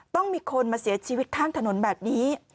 ต้องมีคนมาเสียชีวิตข้างถนนแบบนี้